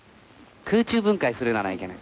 空中分解するならいけない。